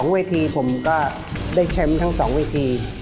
๒วีธีผมก็ได้เช็มทั้ง๒วีธี